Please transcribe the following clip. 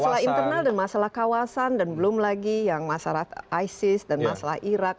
masalah internal dan masalah kawasan dan belum lagi yang masalah isis dan masalah irak